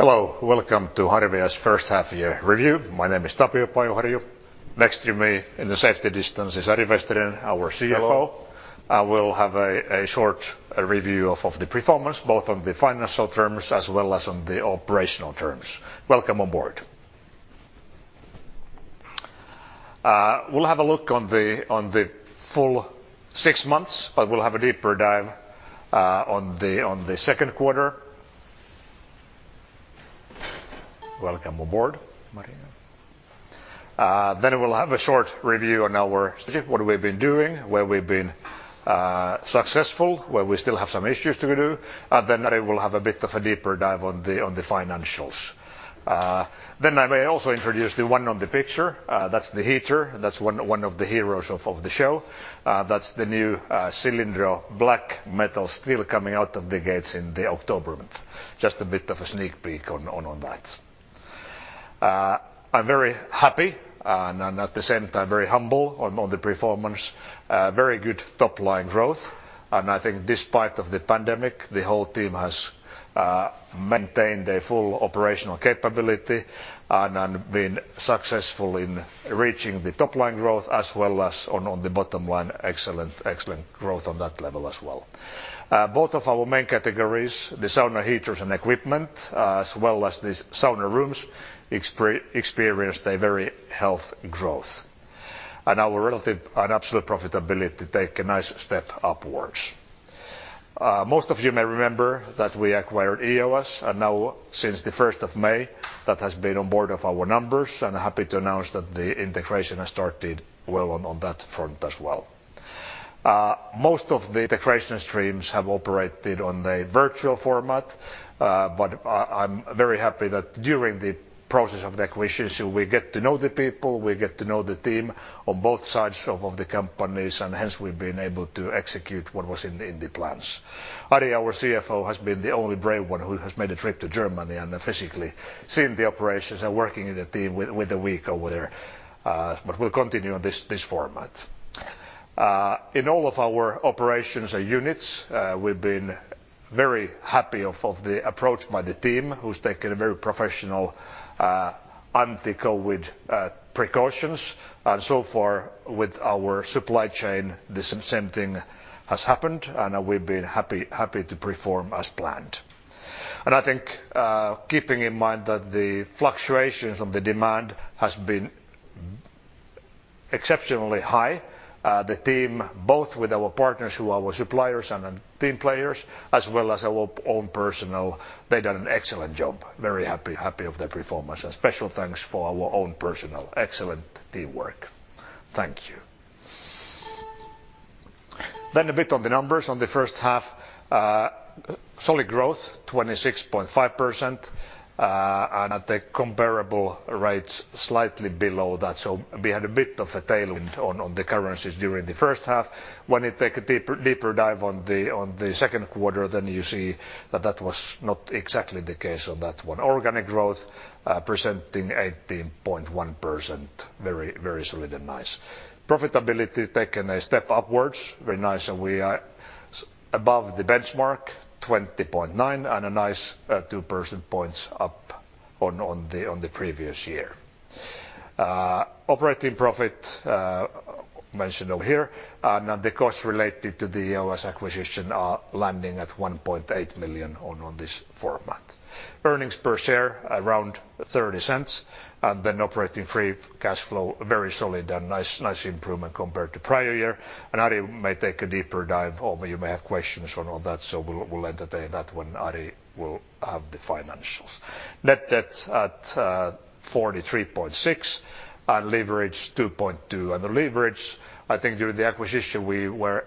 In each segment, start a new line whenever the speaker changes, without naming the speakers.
Hello. Welcome to Harvia's first half year review. My name is Tapio Pajuharju. Next to me, in a safety distance, is Ari Vesterinen, our Chief Financial Officer.
Hello.
I will have a short review of the performance, both on the financial terms as well as on the operational terms. Welcome aboard. We'll have a look on the full six months, but we'll have a deeper dive on the second quarter. Welcome aboard, Maria. We'll have a short review on our strategy, what we've been doing, where we've been successful, where we still have some issues to do. Ari will have a bit of a deeper dive on the financials. I may also introduce the one on the picture. That's the heater. That's one of the heroes of the show. That's the new Cilindro Black metal Steel coming out of the gates in the October month. Just a bit of a sneak peek on that. I'm very happy and, at the same time, very humble on the performance. Very good top line growth. I think despite of the pandemic, the whole team has maintained a full operational capability and been successful in reaching the top line growth as well as on the bottom line, excellent growth on that level as well. Both of our main categories, the sauna heaters and equipment, as well as the sauna rooms, experienced a very healthy growth. Our relative and absolute profitability take a nice step upwards. Most of you may remember that we acquired EOS, and now since the 1st of May, that has been on board of our numbers, and happy to announce that the integration has started well on that front as well. Most of the integration streams have operated on the virtual format, but I'm very happy that during the process of the acquisition, we get to know the people, we get to know the team on both sides of the companies, and hence we've been able to execute what was in the plans. Ari, our Chief Financial Officer, has been the only brave one who has made a trip to Germany and physically seen the operations and working in the team with the week over there. We'll continue on this format. In all of our operations units, we've been very happy of the approach by the team who's taken a very professional anti-COVID precautions. So far with our supply chain, the same thing has happened, and we've been happy to perform as planned. I think keeping in mind that the fluctuations of the demand has been exceptionally high, the team, both with our partners who are our suppliers and team players, as well as our own personnel, they've done an excellent job. Very happy of their performance. A special thanks for our own personnel excellent teamwork. Thank you. A bit on the numbers on the first half. Solid growth, 26.5%, and at the comparable rates, slightly below that. We had a bit of a tailwind on the currencies during the first half. When you take a deeper dive on the second quarter, then you see that that was not exactly the case on that one. Organic growth presenting 18.1%. Very solid and nice. Profitability taken a step upwards, very nice. We are above the benchmark 20.9% and a nice 2 percentage points up on the previous year. Operating profit, mentioned over here. The cost related to the EOS acquisition are landing at 1.8 million on this format. Earnings per share around 0.30, operating free cash flow, very solid and nice improvement compared to prior year. Ari may take a deeper dive, or you may have questions on all that, so we'll entertain that when Ari will have the financials. Net debt at 43.6, leverage 2.2x. The leverage, I think during the acquisition, we were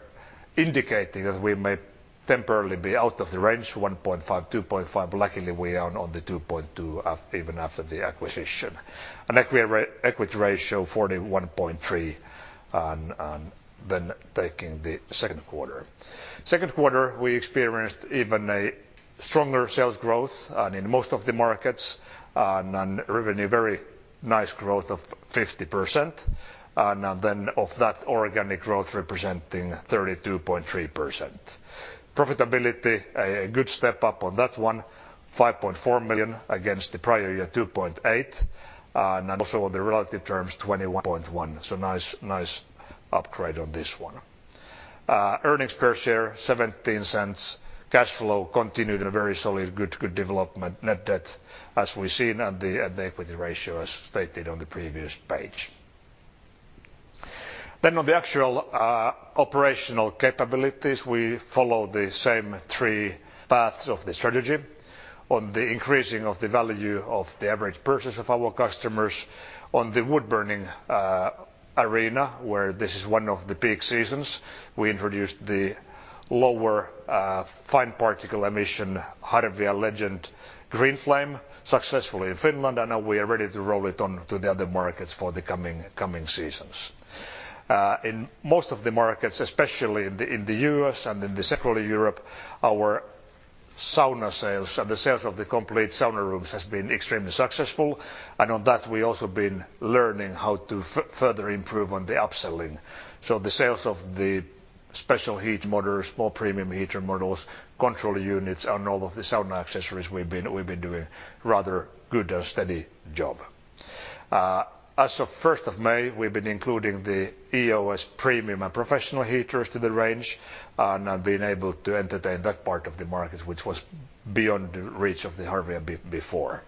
indicating that we may temporarily be out of the range, 1.5x-2.5x. Luckily, we are on the 2.2x even after the acquisition. Equity ratio, 41.3%. Taking the second quarter. Second quarter, we experienced even a stronger sales growth in most of the markets, revenue, very nice growth of 50%, of that organic growth representing 32.3%. Profitability, a good step up on that one, 5.4 million against the prior year 2.8 million, also on the relative terms, 21.1%. Nice upgrade on this one. Earnings per share, 0.17. Cash flow continued in a very solid, good development. Net debt, as we’ve seen, and the equity ratio, as stated on the previous page. On the actual operational capabilities, we follow the same three paths of the strategy on the increasing of the value of the average purchase of our customers on the wood-burning arena, where this is one of the peak seasons. We introduced the lower fine particle emission Harvia Legend GreenFlame successfully in Finland. Now we are ready to roll it on to the other markets for the coming seasons. In most of the markets, especially in the U.S. and in the Central Europe, our sauna sales and the sales of the complete sauna rooms has been extremely successful. On that, we also been learning how to further improve on the upselling. The sales of the special heaters, more premium heater models, control units, and all of the sauna accessories we've been doing rather good and steady job. As of 1st of May, we've been including the EOS premium and professional heaters to the range and have been able to entertain that part of the market, which was beyond the reach of the Harvia before.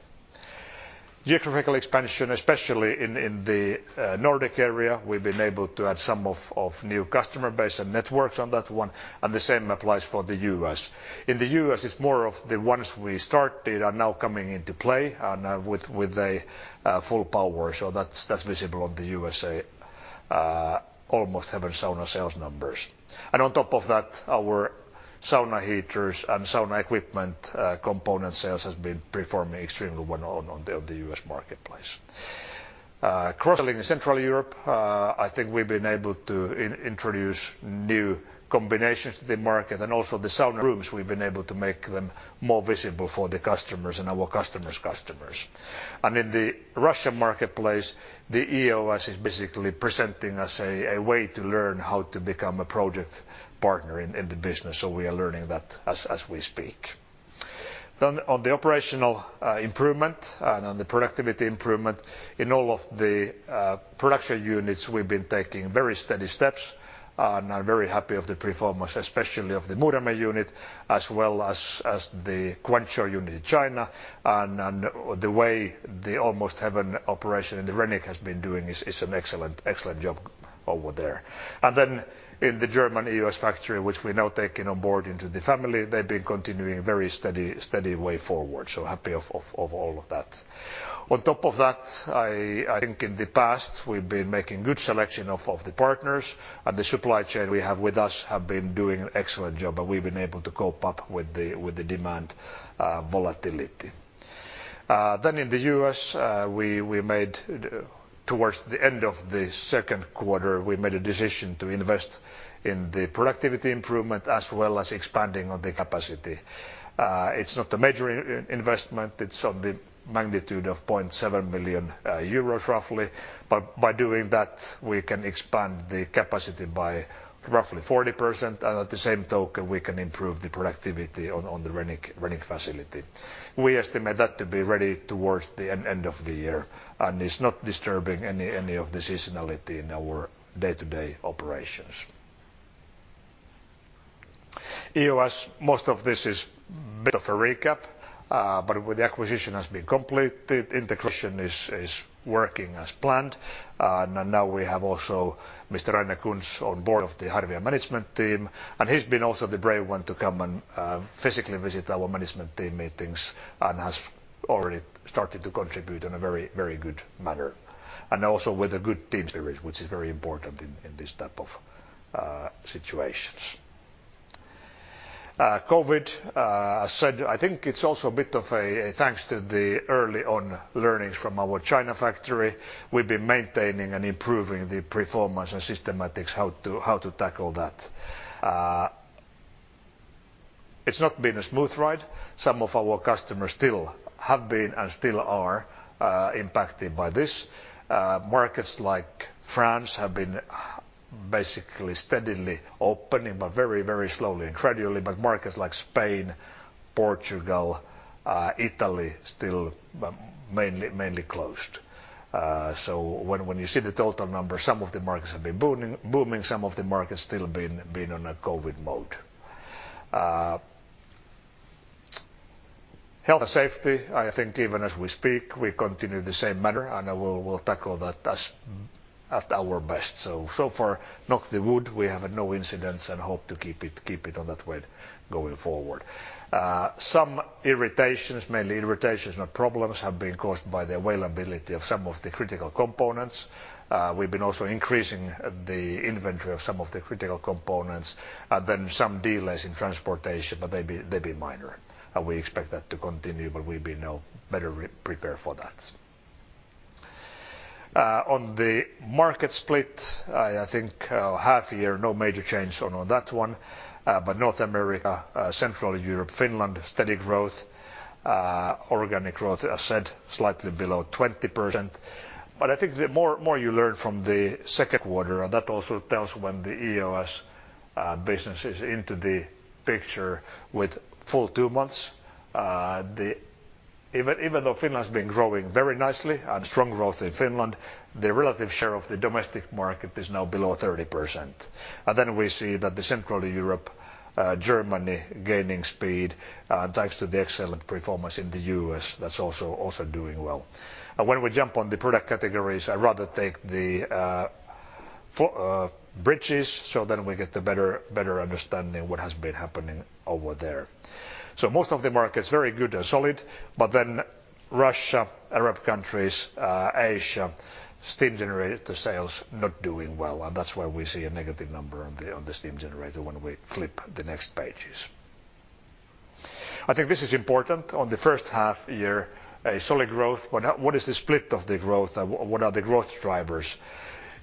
Geographical expansion, especially in the Nordic area, we've been able to add some of new customer base and networks on that one. The same applies for the U.S. In the U.S., it's more of the ones we started are now coming into play and with a full power. That's visible on the U.S. Almost Heaven Saunas sales numbers. On top of that, our sauna heaters and sauna equipment component sales has been performing extremely well on the U.S. marketplace. Across Central Europe, I think we've been able to introduce new combinations to the market and also the sauna rooms, we've been able to make them more visible for the customers and our customers' customers. In the Russian marketplace, the EOS is basically presenting us a way to learn how to become a project partner in the business, so we are learning that as we speak. On the operational improvement and on the productivity improvement, in all of the production units, we've been taking very steady steps and are very happy of the performance, especially of the Muurame unit, as well as the Guangzhou unit in China. The way the Almost Heaven operation in the Renick has been doing is an excellent job over there. In the German U.S. factory, which we're now taking on board into the family, they've been continuing very steady way forward. Happy of all of that. On top of that, I think in the past we've been making good selection of the partners and the supply chain we have with us have been doing an excellent job, and we've been able to cope up with the demand volatility. In the U.S., towards the end of the second quarter, we made a decision to invest in the productivity improvement, as well as expanding on the capacity. It's not a major investment, it's on the magnitude of 0.7 million euros, roughly. By doing that, we can expand the capacity by roughly 40%, and at the same token, we can improve the productivity on the Renick facility. We estimate that to be ready towards the end of the year, and it's not disturbing any of the seasonality in our day-to-day operations. EOS, most of this is bit of a recap but with the acquisition has been completed, integration is working as planned. Now we have also Mr. Rainer Kunz on board of the Harvia management team, and he's been also the brave one to come and physically visit our management team meetings and has already started to contribute in a very good manner. Also with a good team spirit, which is very important in this type of situations. COVID, as said, I think it's also a bit of a thanks to the early on learnings from our China factory. We've been maintaining and improving the performance and systematics how to tackle that. It's not been a smooth ride. Some of our customers still have been, and still are, impacted by this. Markets like France have been basically steadily opening, but very slowly and gradually. Markets like Spain, Portugal, Italy, still mainly closed. When you see the total number, some of the markets have been booming, some of the markets still been on a COVID mode. Health and safety, I think even as we speak, we continue the same manner and we'll tackle that at our best. Far, knock the wood, we have no incidents and hope to keep it on that way going forward. Some irritations, mainly irritations, not problems, have been caused by the availability of some of the critical components. We've been also increasing the inventory of some of the critical components and then some delays in transportation, but they've been minor. We expect that to continue, but we've been now better prepared for that. On the market split, I think half year, no major change on that one. North America, Central Europe, Finland, steady growth. Organic growth, as said, slightly below 20%. I think the more you learn from the second quarter, and that also tells when the EOS business is into the picture with full two months. Even though Finland's been growing very nicely and strong growth in Finland, the relative share of the domestic market is now below 30%. We see that the Central Europe, Germany gaining speed, thanks to the excellent performance in the U.S. that's also doing well. When we jump on the product categories, I'd rather take the bridges so then we get a better understanding what has been happening over there. Most of the markets, very good and solid. Russia, Arab countries, Asia, steam generator sales not doing well. That's why we see a negative number on the steam generator when we flip the next pages. I think this is important. On the first half year, a solid growth, but what is the split of the growth? What are the growth drivers?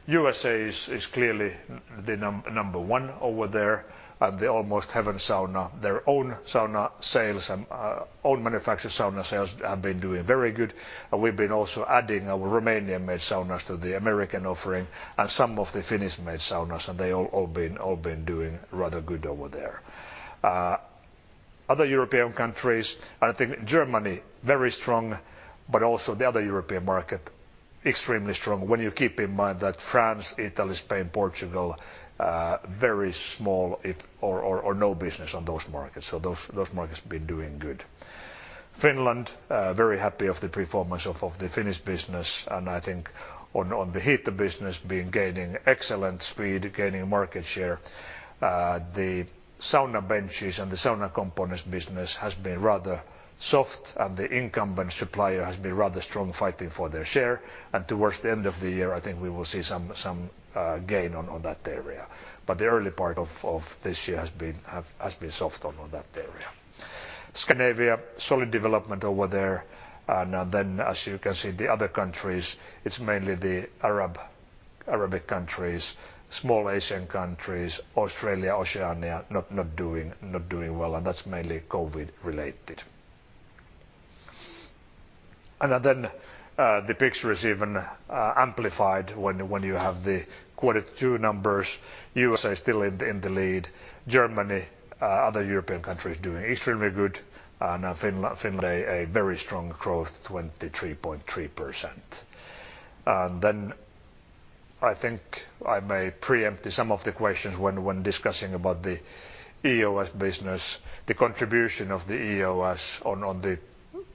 USA is clearly the number one over there. The Almost Heaven Saunas, their own sauna sales and own manufactured sauna sales have been doing very good. We've been also adding our Romanian-made saunas to the American offering and some of the Finnish-made saunas. They all have been doing rather good over there. Other European countries, I think Germany, very strong, but also the other European market, extremely strong when you keep in mind that France, Italy, Spain, Portugal, very small or no business on those markets. Those markets have been doing good. Finland, very happy of the performance of the Finnish business. I think on the heater business being gaining excellent speed, gaining market share. The sauna benches and the sauna components business has been rather soft, the incumbent supplier has been rather strong fighting for their share. Towards the end of the year, I think we will see some gain on that area. The early part of this year has been soft on that area. Scandinavia, solid development over there. As you can see, the other countries, it's mainly the Arabic countries, small Asian countries, Australia, Oceania, not doing well, and that's mainly COVID-related. The picture is even amplified when you have the quarter two numbers. USA still in the lead. Germany, other European countries doing extremely good. Finland, a very strong growth, 23.3%. I think I may preempt some of the questions when discussing about the EOS business, the contribution of the EOS on the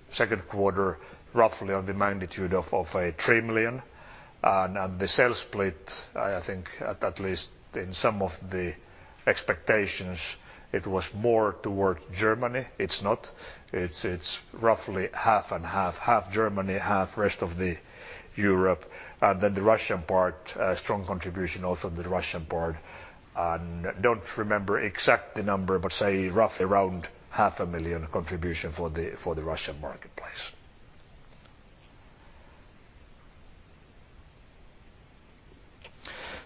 second quarter, roughly on the magnitude of 3 million. The sales split, I think at least in some of the expectations, it was more towards Germany. It's not. It's roughly half and half Germany, half rest of Europe. The Russian part, a strong contribution also on the Russian part. Don't remember exact the number, but say roughly around 500,000 contribution for the Russian marketplace.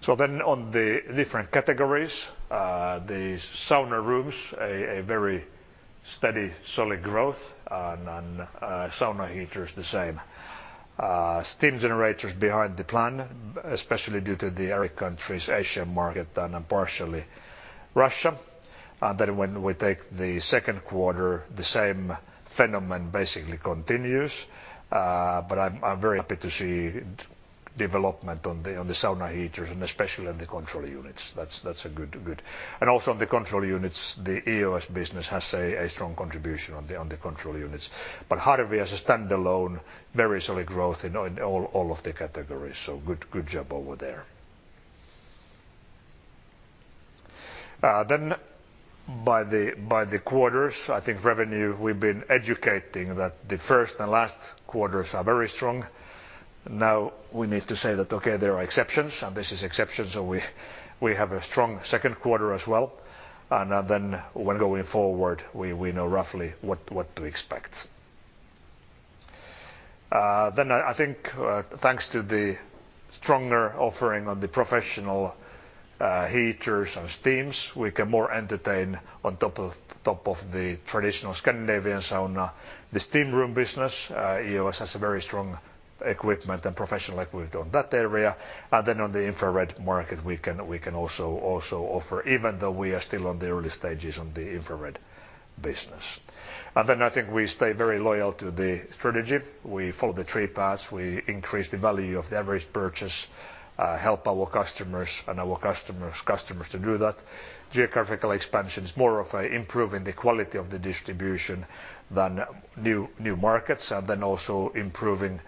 On the different categories, the sauna rooms, a very steady, solid growth and on sauna heaters, the same. Steam generators behind the plan, especially due to the Arab countries, Asian market and partially Russia. When we take the second quarter, the same phenomenon basically continues. I'm very happy to see development on the sauna heaters and especially on the control units. On the control units, the EOS business has, say, a strong contribution on the control units. Harvia as a standalone, very solid growth in all of the categories. Good job over there. By the quarters, I think revenue, we've been educating that the first and last quarters are very strong. We need to say that, okay, there are exceptions and this is exception, so we have a strong second quarter as well. When going forward, we know roughly what to expect. I think thanks to the stronger offering on the professional heaters and steam generators, we can more entertain on top of the traditional Scandinavian sauna. The steam room business, EOS, has a very strong equipment and professional equipment on that area. On the infrared market, we can also offer, even though we are still on the early stages on the infrared business. I think we stay very loyal to the strategy. We follow the three paths. We increase the value of the average purchase, help our customers and our customers' customers to do that. Geographical expansion is more of improving the quality of the distribution than new markets, also improving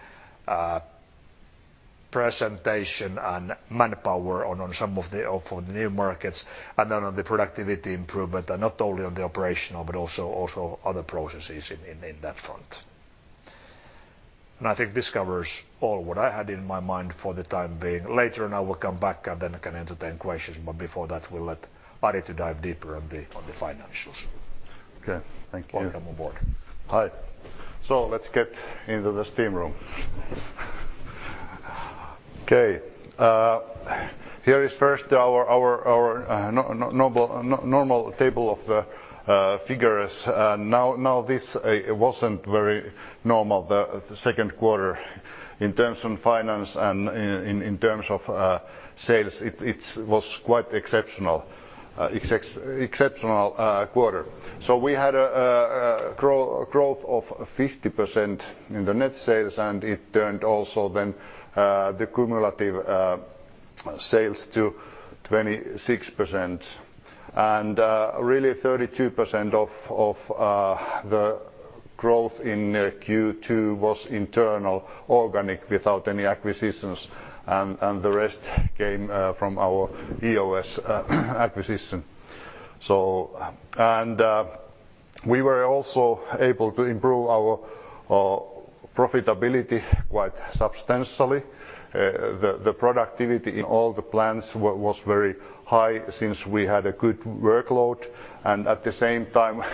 presentation and manpower on some of the new markets, on the productivity improvement, not only on the operational, but also other processes in that front. I think this covers all what I had in my mind for the time being. Later on, I will come back, I can entertain questions, before that, we'll let Ari to dive deeper on the financials.
Okay. Thank you.
Welcome aboard.
Hi. Let's get into the steam room. Here is first our normal table of the figures. This wasn't very normal, the second quarter in terms of finance and in terms of sales. It was quite exceptional quarter. We had a growth of 50% in the net sales, and it turned also the cumulative sales to 26%. Really 32% of the growth in Q2 was internal, organic, without any acquisitions, and the rest came from our EOS acquisition. We were also able to improve our profitability quite substantially. The productivity in all the plants was very high since we had a good workload, and at the same time,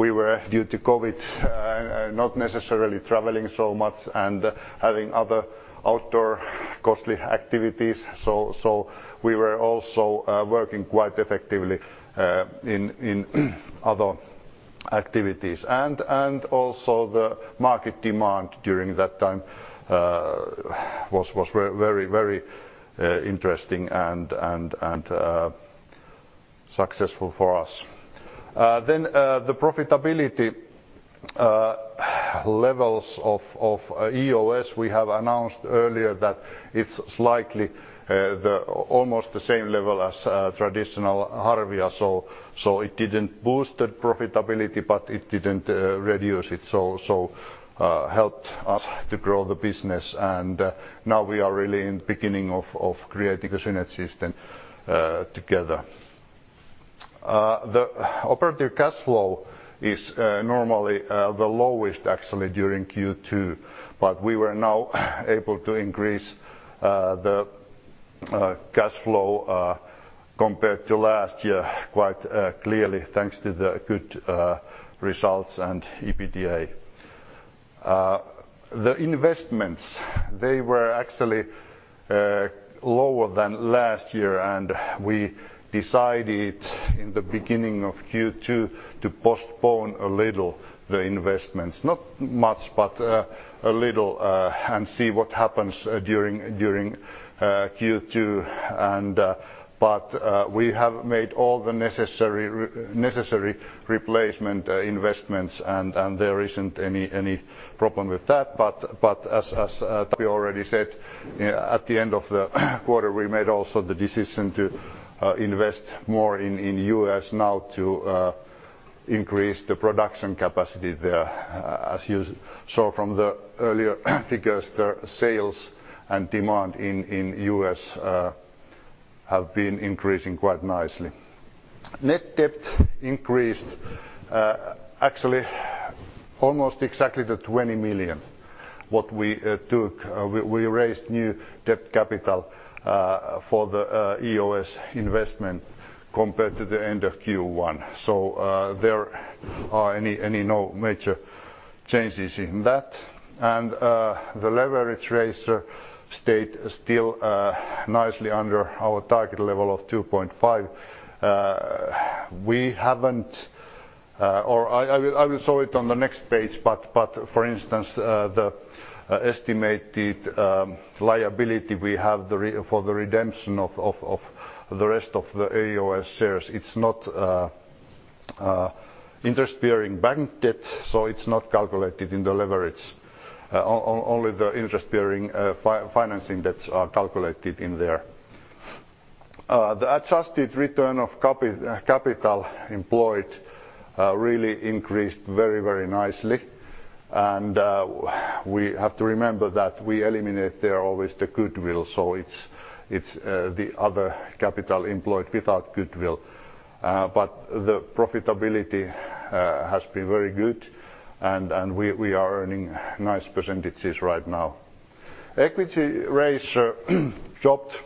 we were, due to COVID, not necessarily traveling so much and having other outdoor costly activities. We were also working quite effectively in other activities. Also the market demand during that time was very interesting and successful for us. The profitability levels of EOS, we have announced earlier that it's slightly almost the same level as traditional Harvia. It didn't boost the profitability, but it didn't reduce it, so helped us to grow the business. Now we are really in the beginning of creating a synergy system together. The operative cash flow is normally the lowest, actually, during Q2, but we were now able to increase the cash flow compared to last year quite clearly thanks to the good results and EBITDA. The investments, they were actually lower than last year and we decided in the beginning of Q2 to postpone a little the investments. Not much, but a little, and see what happens during Q2. We have made all the necessary replacement investments, and there isn't any problem with that. As we already said, at the end of the quarter, we made also the decision to invest more in U.S. now to increase the production capacity there. As you saw from the earlier figures, the sales and demand in U.S. have been increasing quite nicely. Net debt increased actually almost exactly to 20 million. What we took, we raised new debt capital for the EOS investment compared to the end of Q1. There are any no major changes in that. The leverage ratio stayed still nicely under our target level of 2.5x. I will show it on the next page, but for instance, the estimated liability we have for the redemption of the rest of the EOS shares. It's not interest-bearing bank debt, so it's not calculated in the leverage. Only the interest-bearing financing debts are calculated in there. The adjusted return of capital employed really increased very, very nicely. We have to remember that we eliminate there always the goodwill. It's the other capital employed without goodwill. The profitability has been very good and we are earning nice percentages right now. Equity ratio dropped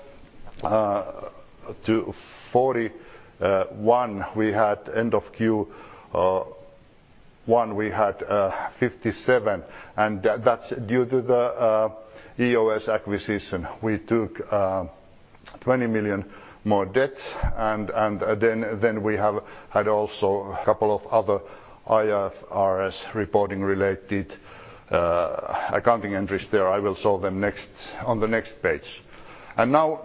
to 41%. End of Q1, we had 57%, and that's due to the EOS acquisition. We took 20 million more debt, and then we have had also a couple of other IFRS reporting-related accounting entries there. I will show them on the next page. Now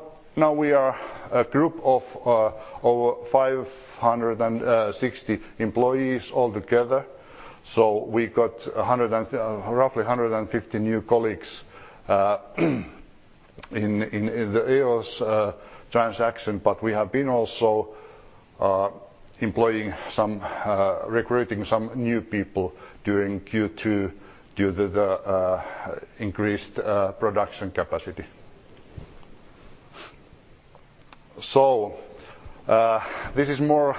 we are a group of over 560 employees altogether. We got roughly 150 new colleagues in the EOS transaction. We have been also recruiting some new people during Q2 due to the increased production capacity. This is more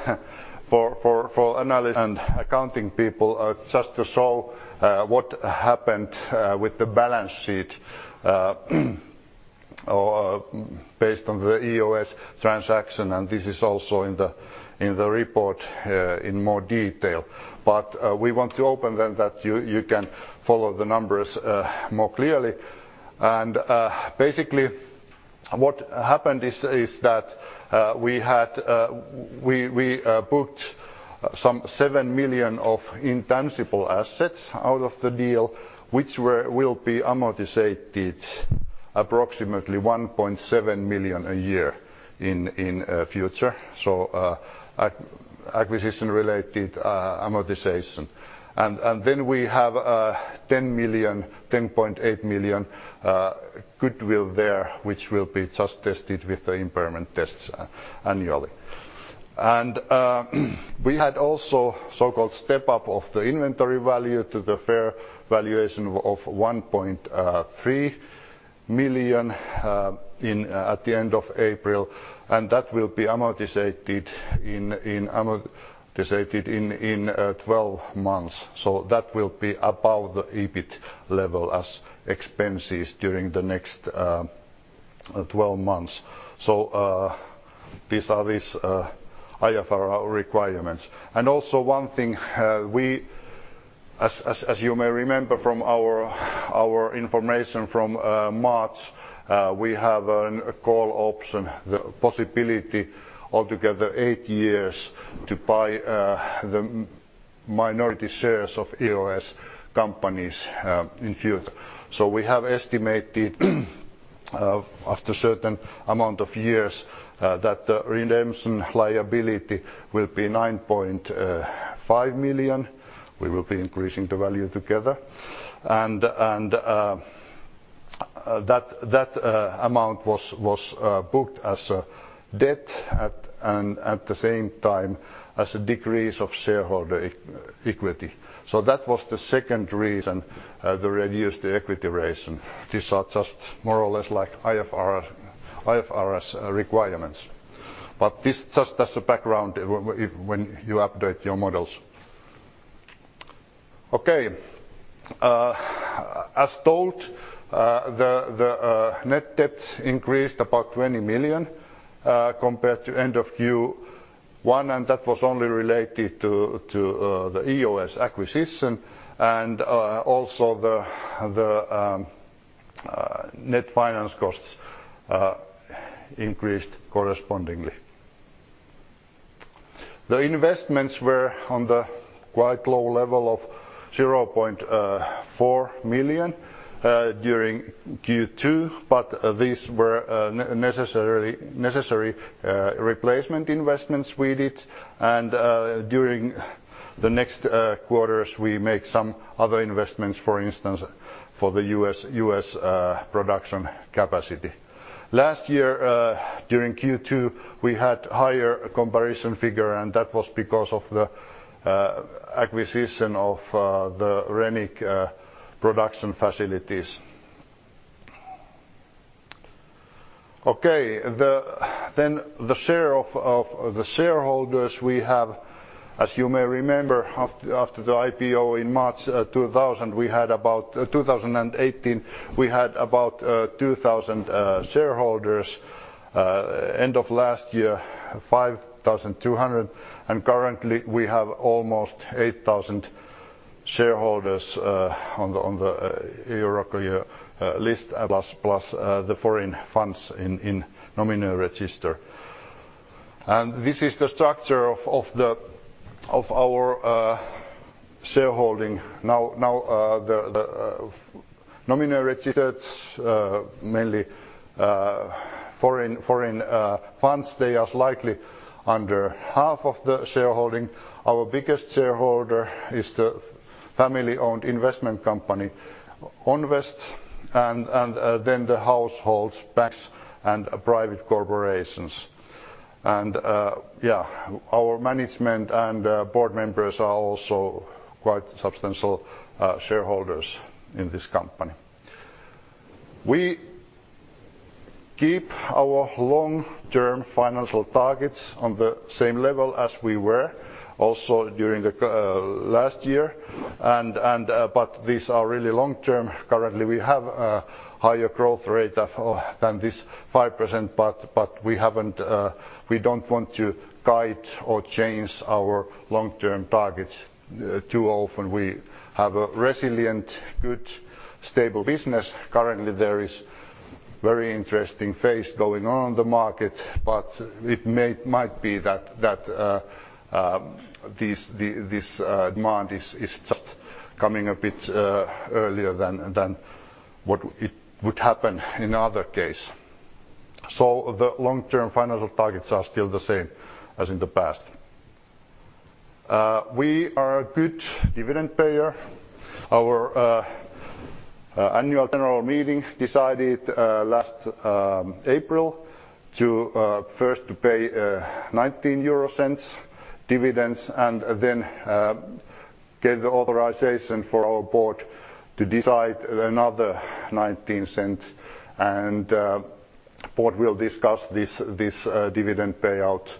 for analyst and accounting people, just to show what happened with the balance sheet based on the EOS transaction, and this is also in the report in more detail. We want to open them that you can follow the numbers more clearly. Basically, what happened is that we booked some 7 million of intangible assets out of the deal, which will be amortized approximately 1.7 million a year in future. Acquisition-related amortization. Then we have 10.8 million goodwill there, which will be just tested with the impairment tests annually. We had also so-called step-up of the inventory value to the fair valuation of 1.3 million at the end of April, and that will be amortized in 12 months. That will be above the EBIT level as expenses during the next 12 months. These are these IFRS requirements. As you may remember from our information from March, we have a call option, the possibility altogether eight years to buy the minority shares of EOS companies in future. We have estimated after certain amount of years, that the redemption liability will be 9.5 million. We will be increasing the value together and that amount was booked as a debt, and at the same time as a decrease of shareholder equity. That was the second reason the reduced equity ratio. These are just more or less IFRS requirements. This just as a background when you update your models. Okay. As told, the net debt increased about 20 million compared to end of Q1, and that was only related to the EOS acquisition and also the net finance costs increased correspondingly. The investments were on the quite low level of 0.4 million during Q2, but these were necessary replacement investments we did and during the next quarters we make some other investments, for instance, for the U.S. production capacity. Last year, during Q2, we had higher comparison figure, and that was because of the acquisition of the Renick production facilities. The shareholders we have, as you may remember, after the IPO in March 2018, we had about 2,000 shareholders. End of last year, 5,200, and currently we have almost 8,000 shareholders on the Euroclear list, plus the foreign funds in nominal register. This is the structure of our shareholding. The nominal registers, mainly foreign funds, they are slightly under half of the shareholding. Our biggest shareholder is the family-owned investment company, Onvest, and then the households, banks, and private corporations. Yeah, our management and board members are also quite substantial shareholders in this company. We keep our long-term financial targets on the same level as we were also during the last year. These are really long-term. Currently, we have a higher growth rate than this 5%, but we don't want to guide or change our long-term targets too often. We have a resilient, good, stable business. Currently, there is very interesting phase going on in the market, but it might be that this demand is just coming a bit earlier than what it would happen in other case. The long-term financial targets are still the same as in the past. We are a good dividend payer. Our annual general meeting decided last April to first pay 0.19 dividends and then gave the authorization for our board to decide another 0.19 and board will discuss this dividend payout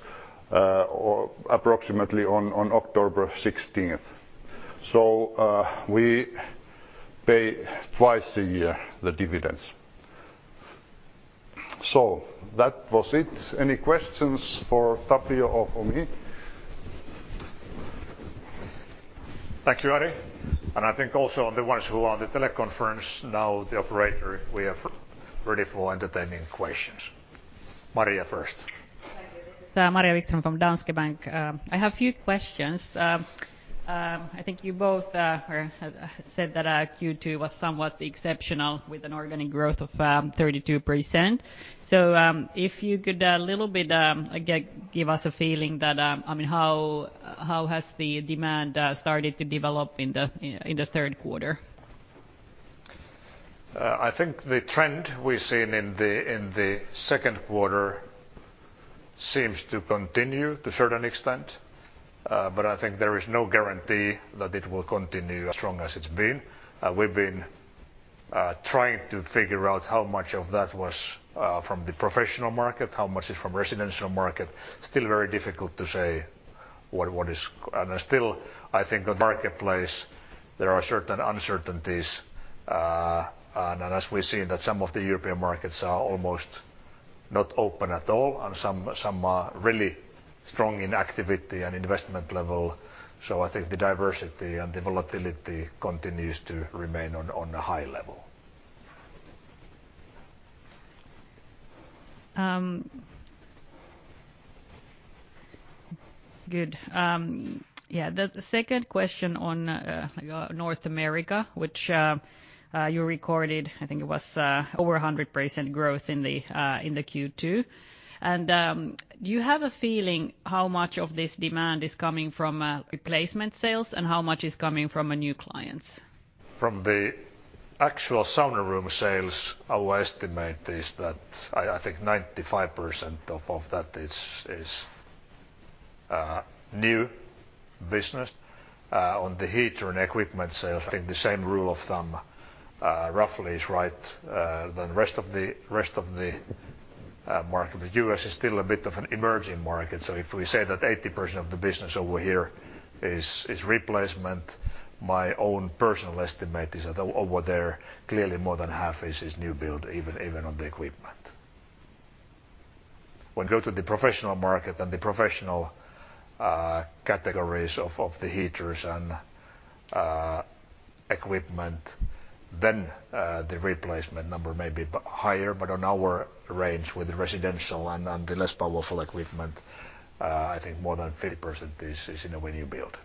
approximately on October 16th. We pay twice a year, the dividends. That was it. Any questions for Tapio or for me?
Thank you, Ari. I think also on the ones who are on the teleconference now, the operator, we are ready for entertaining questions. Maria first.
Thank you. This is Maria Wikström from Danske Bank. I have a few questions. I think you both said that Q2 was somewhat exceptional with an organic growth of 32%. If you could a little bit, give us a feeling that, how has the demand started to develop in the third quarter?
I think the trend we've seen in the second quarter seems to continue to a certain extent. I think there is no guarantee that it will continue as strong as it's been. We've been trying to figure out how much of that was from the professional market, how much is from residential market. Still very difficult to say what is. I think the marketplace, there are certain uncertainties. As we've seen that some of the European markets are almost not open at all, and some are really strong in activity and investment level. I think the diversity and the volatility continues to remain on a high level.
Good. Yeah, the second question on North America, which you recorded, I think it was over 100% growth in the Q2. Do you have a feeling how much of this demand is coming from replacement sales and how much is coming from new clients?
From the actual sauna room sales, our estimate is that, I think 95% of that is new business. On the heater and equipment sales, I think the same rule of thumb roughly is right. The rest of the market, the U.S. is still a bit of an emerging market. If we say that 80% of the business over here is replacement, my own personal estimate is that over there, clearly more than half is new build, even on the equipment. When you go to the professional market and the professional categories of the heaters and equipment, then the replacement number may be higher. On our range with residential and the less powerful equipment, I think more than 50% is in a way new build.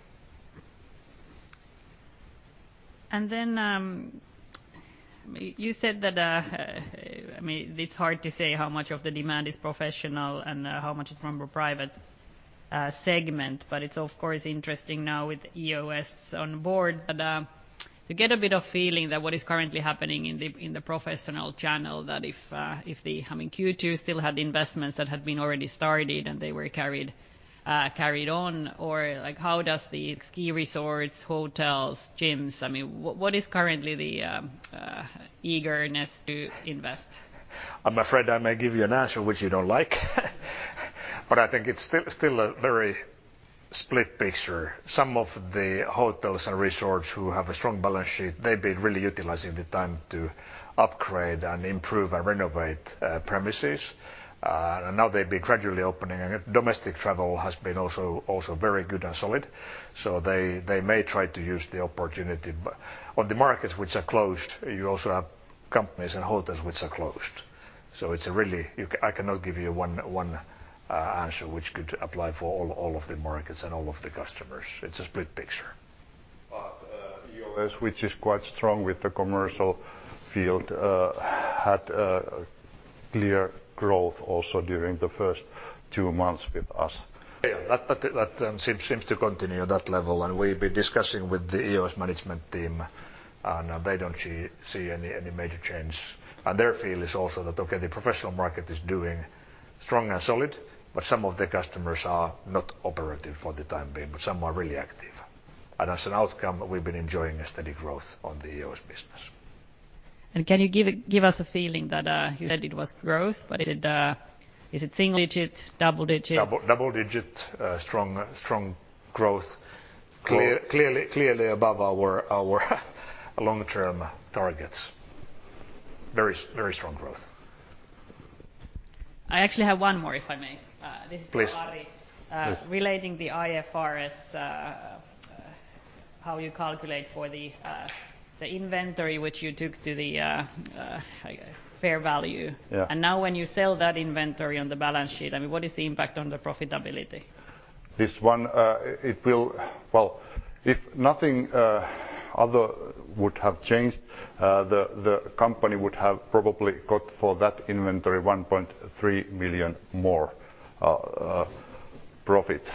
You said that it's hard to say how much of the demand is professional and how much is from the private segment, but it's of course interesting now with EOS on board. To get a bit of feeling that what is currently happening in the professional channel, that if the Q2 still had the investments that had been already started and they were carried on, or how does the ski resorts, hotels, gyms, what is currently the eagerness to invest?
I'm afraid I may give you an answer which you don't like. I think it's still a very split picture. Some of the hotels and resorts who have a strong balance sheet, they've been really utilizing the time to upgrade and improve and renovate premises. Now they've been gradually opening, and domestic travel has been also very good and solid. They may try to use the opportunity. On the markets which are closed, you also have companies and hotels which are closed. It's really, I cannot give you one answer which could apply for all of the markets and all of the customers. It's a split picture. EOS, which is quite strong with the commercial field, had a clear growth also during the first two months with us. Yeah, that seems to continue at that level. We've been discussing with the EOS management team. They don't see any major change. Their feel is also that, okay, the professional market is doing strong and solid. Some of the customers are not operative for the time being. Some are really active. As an outcome, we've been enjoying a steady growth on the EOS business.
Can you give us a feeling that, you said it was growth, but is it single digit, double digit?
Double-digit strong growth. Clearly above our long-term targets. Very strong growth.
I actually have one more, if I may.
Please.
This is for Ari. Relating the IFRS, how you calculate for the inventory which you took to the fair value?
Yeah.
Now when you sell that inventory on the balance sheet, what is the impact on the profitability?
This one, if nothing other would have changed, the company would have probably got for that inventory 1.3 million more profit.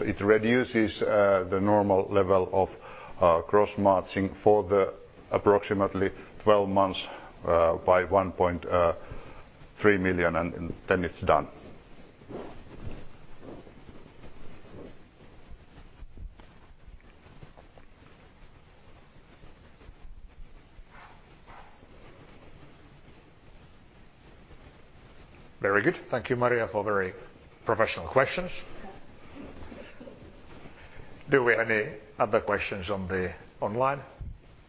It reduces the normal level of gross margin for the approximately 12 months, by 1.3 million, and then it's done.
Very good. Thank you, Maria, for very professional questions. Do we have any other questions on the online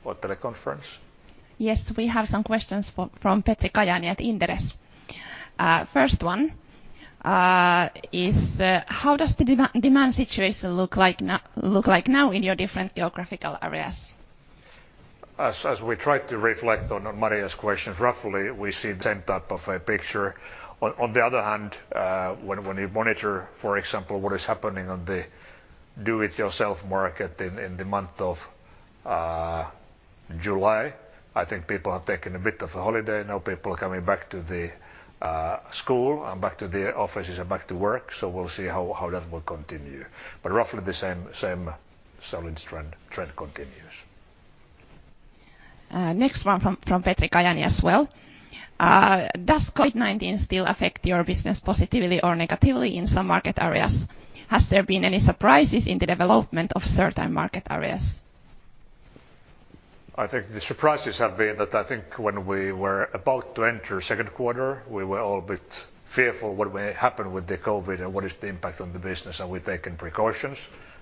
or teleconference?
Yes, we have some questions from Petri Kajaani at Inderes. First one is, how does the demand situation look like now in your different geographical areas?
As we tried to reflect on Maria's questions, roughly, we see the same type of a picture. On the other hand, when you monitor, for example, what is happening on the do it yourself market in the month of July, I think people have taken a bit of a holiday. Now people are coming back to the school and back to the offices and back to work, so we'll see how that will continue. Roughly the same solid trend continues.
Next one from Petri Kajaani as well. Does COVID-19 still affect your business positively or negatively in some market areas? Has there been any surprises in the development of certain market areas?
I think the surprises have been that I think when we were about to enter second quarter, we were all a bit fearful what may happen with the COVID and what is the impact on the business. We've taken precautions.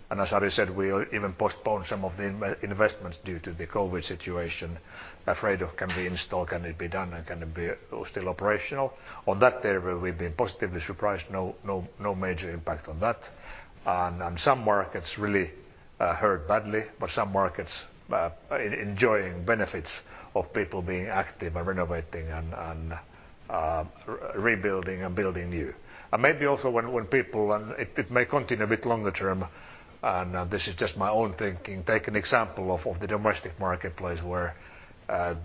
As Ari said, we even postponed some of the investments due to the COVID situation, afraid of can we install, can it be done, and can it be still operational? On that, therefore, we've been positively surprised. No major impact on that. Some markets really hurt badly, but some markets enjoying benefits of people being active and renovating and rebuilding and building new. Maybe also, it may continue a bit longer term. This is just my own thinking. Take an example of the domestic marketplace where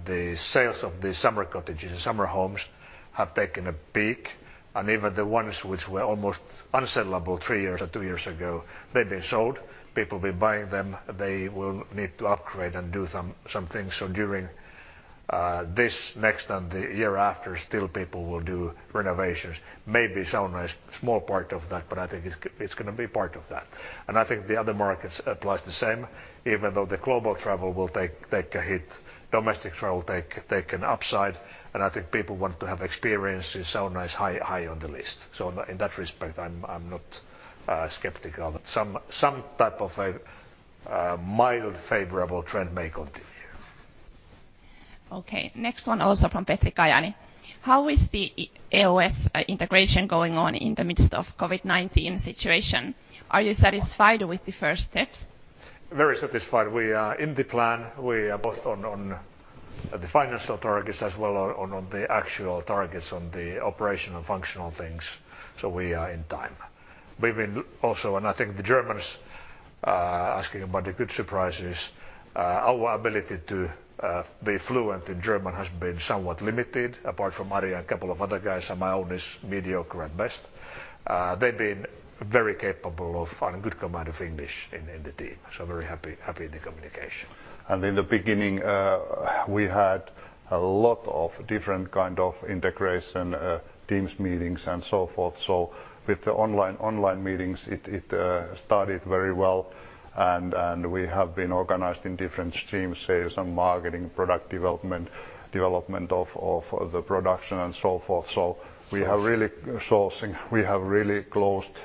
the sales of the summer cottages and summer homes have taken a peak, and even the ones which were almost unsellable three years or two years ago, they've been sold. People will be buying them. They will need to upgrade and do some things. During this next and the year after, still people will do renovations. Maybe sauna is small part of that, but I think it's going to be part of that. I think the other markets applies the same. Even though the global travel will take a hit, domestic travel take an upside, and I think people want to have experience, and sauna is high on the list. In that respect, I'm not skeptical that some type of a mild favorable trend may continue.
Okay. Next one also from Petri Kajaani. "How is the EOS integration going on in the midst of COVID-19 situation? Are you satisfied with the first steps?
Very satisfied. We are in the plan. We are both on the financial targets as well on the actual targets on the operational functional things, so we are in time. We've been also, and I think the Germans are asking about the good surprises. Our ability to be fluent in German has been somewhat limited, apart from Ari and a couple of other guys, and my own is mediocre at best. They've been very capable of, and good command of English in the team, so very happy in the communication.
In the beginning, we had a lot of different kind of integration, teams meetings, and so forth. With the online meetings, it started very well, and we have been organized in different streams, sales and marketing, product development of the production, and so forth. Sourcing. Sourcing. We have really closed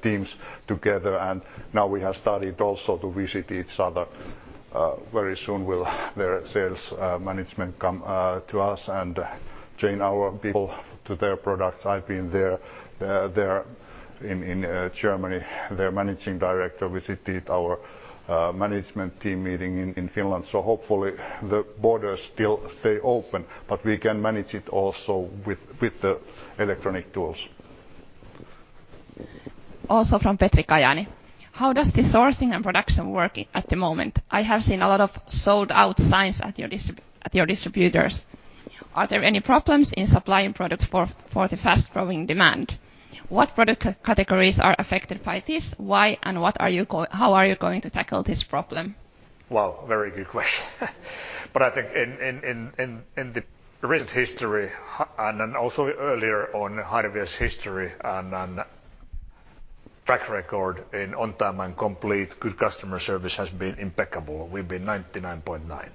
teams together, and now we have started also to visit each other. Very soon will their sales management come to us and train our people to their products. I've been there in Germany. Their managing director visited our management team meeting in Finland. Hopefully, the borders still stay open, but we can manage it also with the electronic tools.
Also from Petri Kajaani. "How does the sourcing and production working at the moment? I have seen a lot of sold out signs at your distributors. Are there any problems in supplying products for the fast-growing demand? What product categories are affected by this? Why, and how are you going to tackle this problem?
Wow, very good question. I think in the recent history and earlier on Harvia's history and on track record in on-time and complete, good customer service has been impeccable. We've been 99.9%.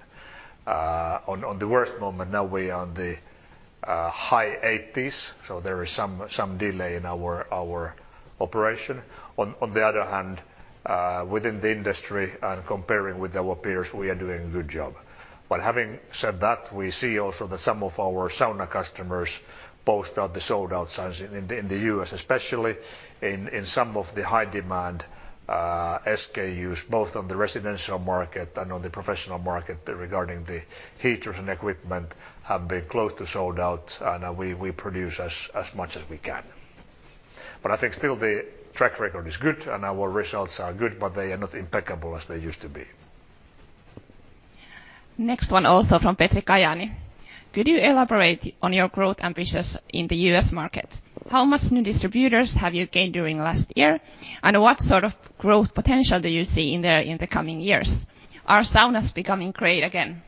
On the worst moment, now we are on the high 80%s, so there is some delay in our operation. On the other hand, within the industry and comparing with our peers, we are doing a good job. Having said that, we see also that some of our sauna customers boast of the sold-out signs in the U.S., especially in some of the high-demand SKUs, both on the residential market and on the professional market regarding the heaters and equipment have been close to sold out, and we produce as much as we can. I think still the track record is good and our results are good, but they are not impeccable as they used to be.
Next one also from Petri Kajaani. Could you elaborate on your growth ambitions in the U.S. market? How much new distributors have you gained during last year? What sort of growth potential do you see in there in the coming years? Are saunas becoming great again?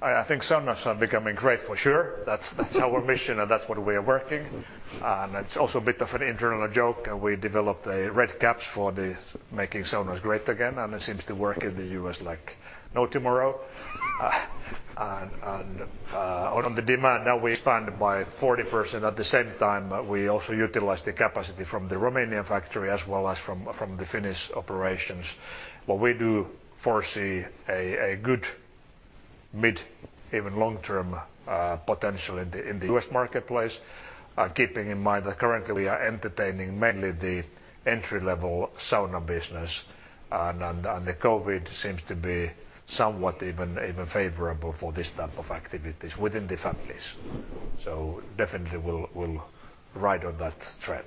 I think saunas are becoming great, for sure. That's our mission, that's what we are working. It's also a bit of an internal joke, we developed the red caps for the making saunas great again, it seems to work in the U.S. like no tomorrow. On the demand, now we expand by 40%. At the same time, we also utilize the capacity from the Romanian factory as well as from the Finnish operations. We do foresee a good mid, even long-term potential in the U.S. marketplace, keeping in mind that currently we are entertaining mainly the entry-level sauna business. The COVID seems to be somewhat even favorable for this type of activities within the families. Definitely we'll ride on that trend.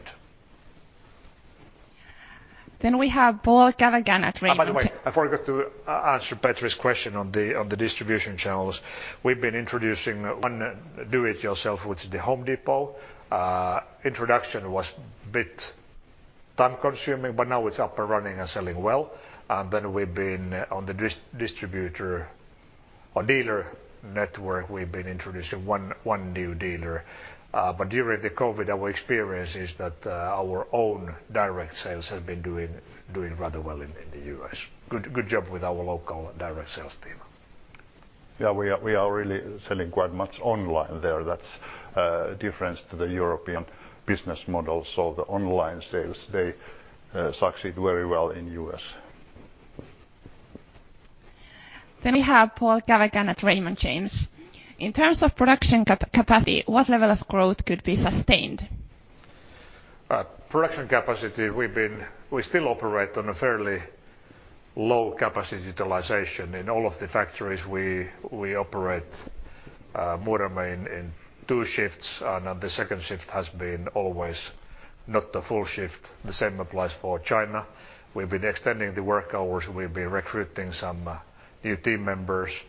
We have Paul Callahan.
By the way, I forgot to answer Petri's question on the distribution channels. We've been introducing one do it yourself with The Home Depot. Introduction was a bit time-consuming, but now it's up and running and selling well. Then we've been on the distributor our dealer network, we've been introducing one new dealer. During the COVID, our experience is that our own direct sales have been doing rather well in the U.S. Good job with our local direct sales team.
Yeah, we are really selling quite much online there. That's different to the European business model. The online sales, they succeed very well in U.S.
We have Paul Callahan at Raymond James. In terms of production capacity, what level of growth could be sustained?
Production capacity, we still operate on a fairly low capacity utilization. In all of the factories, we operate Muurame in two shifts, and the second shift has been always not the full shift. The same applies for China. We've been extending the work hours. We've been recruiting some new team members.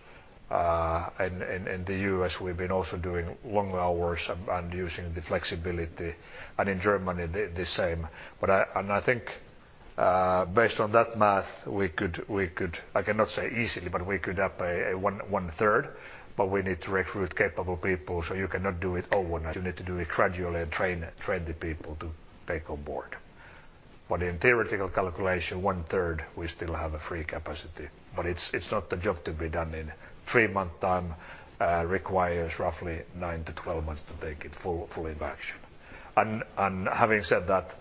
In the U.S., we've been also doing long hours and using the flexibility, and in Germany, the same. I think, based on that math, we could, I cannot say easily, but we could up by one third, but we need to recruit capable people, so you cannot do it overnight. You need to do it gradually and train the people to take on board. In theoretical calculation, one third, we still have a free capacity, but it's not a job to be done in three-month time. Requires roughly 9-12 months to take it fully back. Having said that,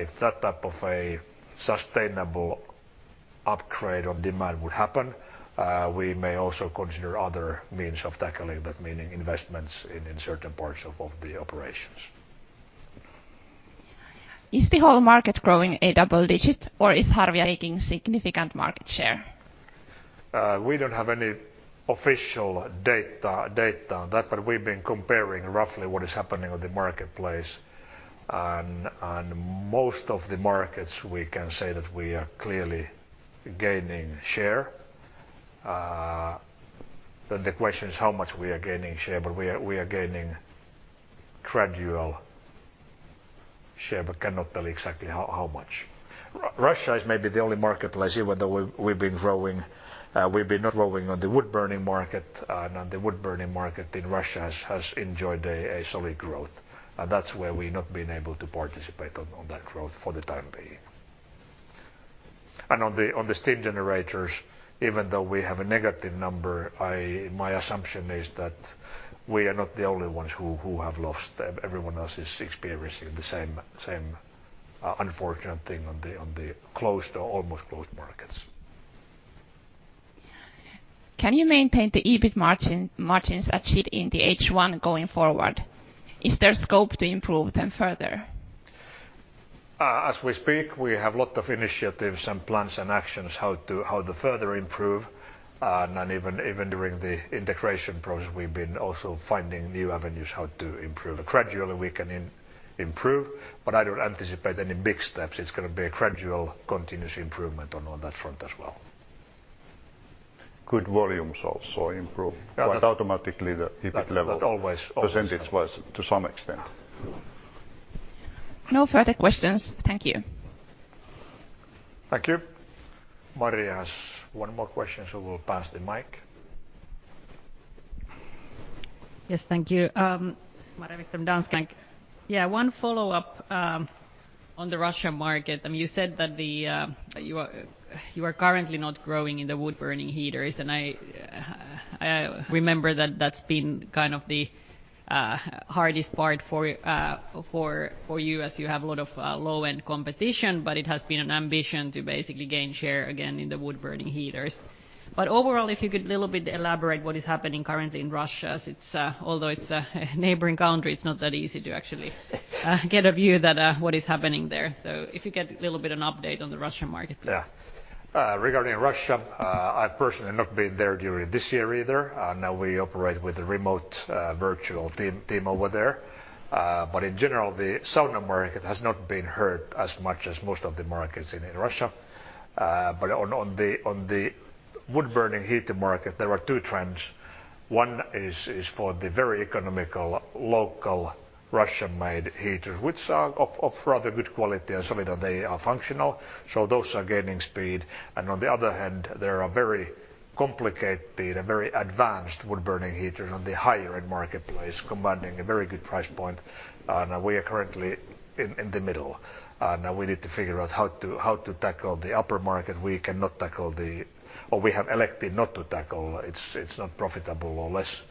if that type of a sustainable upgrade of demand would happen, we may also consider other means of tackling that, meaning investments in certain parts of the operations.
Is the whole market growing a double digit, or is Harvia making significant market share?
We don't have any official data on that, but we've been comparing roughly what is happening on the marketplace, and most of the markets, we can say that we are clearly gaining share. The question is how much we are gaining share, but we are gaining gradual share, but cannot tell exactly how much. Russia is maybe the only marketplace, even though we've been not growing on the wood-burning market, and the wood-burning market in Russia has enjoyed a solid growth, and that's where we've not been able to participate on that growth for the time being. On the steam generators, even though we have a negative number, my assumption is that we are not the only ones who have lost. Everyone else is experiencing the same unfortunate thing on the closed or almost closed markets.
Can you maintain the EBIT margins achieved in the H1 going forward? Is there scope to improve them further?
As we speak, we have lot of initiatives and plans and actions how to further improve, and even during the integration process, we've been also finding new avenues how to improve. Gradually, we can improve, but I don't anticipate any big steps. It's going to be a gradual continuous improvement on that front as well.
Good volumes also improve quite automatically the EBIT level. That always percentage-wise to some extent.
No further questions. Thank you.
Thank you. Maria has one more question, so we'll pass the mic.
Yes, thank you. Maria from Danske. One follow-up on the Russia market. You said that you are currently not growing in the wood-burning heaters. I remember that that's been kind of the hardest part for you as you have a lot of low-end competition. It has been an ambition to basically gain share again in the wood-burning heaters. Overall, if you could a little bit elaborate what is happening currently in Russia. Although it's a neighboring country, it's not that easy to actually get a view what is happening there. If you get a little bit an update on the Russia market, please.
Yeah. Regarding Russia, I've personally not been there during this year either. We operate with a remote virtual team over there. In general, the southern market has not been hurt as much as most of the markets in Russia. On the wood-burning heater market, there are two trends. One is for the very economical local Russian-made heaters, which are of rather good quality and some even they are functional. Those are gaining speed. On the other hand, there are very complicated and very advanced wood-burning heaters on the higher-end marketplace commanding a very good price point, and we are currently in the middle. We need to figure out how to tackle the upper market. We have elected not to tackle. It's not profitable or less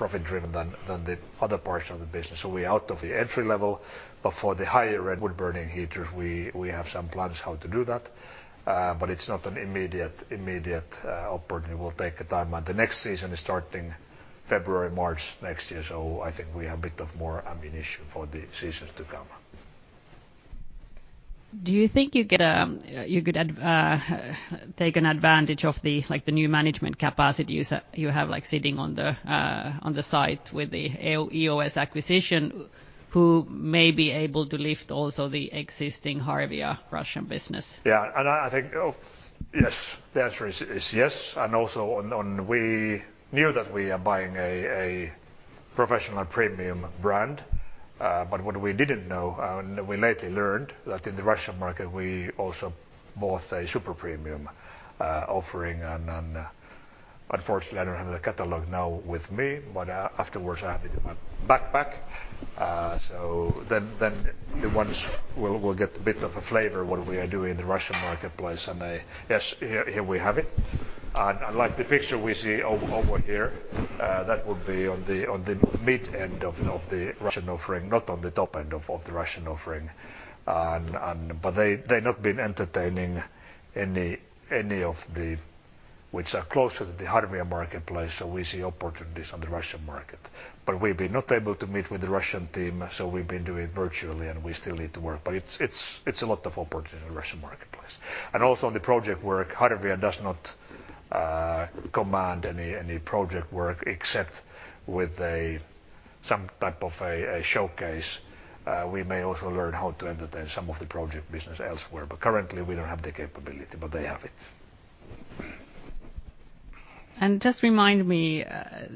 profit-driven than the other parts of the business. We're out of the entry level, but for the higher-end wood-burning heaters, we have some plans how to do that. It's not an immediate opportunity. We'll take time, and the next season is starting February, March next year. I think we have a bit of more ammunition for the seasons to come.
Do you think you could take an advantage of the new management capacities that you have sitting on the side with the EOS acquisition, who may be able to lift also the existing Harvia Russian business?
Yeah, I think the answer is yes, and also we knew that we are buying a professional premium brand. What we didn't know, and we lately learned, that in the Russian market, we also bought a super premium offering. Unfortunately, I don't have the catalog now with me, but afterwards I have it in my backpack. The ones will get a bit of a flavor what we are doing in the Russian marketplace. Yes, here we have it. Like the picture we see over here, that would be on the mid end of the Russian offering, not on the top end of the Russian offering. They not been entertaining any of the which are closer to the Harvia marketplace, so we see opportunities on the Russian market. We've been not able to meet with the Russian team, so we've been doing virtually, and we still need to work. It's a lot of opportunity in the Russian marketplace. Also on the project work, Harvia does not command any project work except with some type of a showcase. We may also learn how to entertain some of the project business elsewhere, but currently we don't have the capability, but they have it.
Just remind me,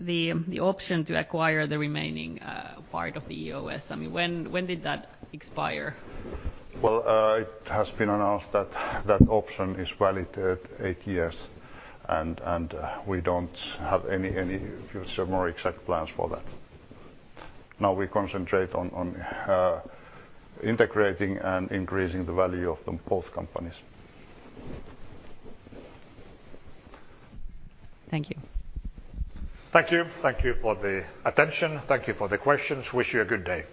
the option to acquire the remaining part of the EOS, when did that expire?
Well, it has been announced that that option is valid eight years, and we don't have any future more exact plans for that. Now we concentrate on integrating and increasing the value of both companies.
Thank you.
Thank you. Thank you for the attention. Thank you for the questions. Wish you a good day.